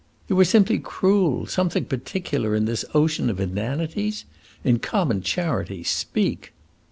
"You are simply cruel. Something particular, in this ocean of inanities? In common charity, speak!"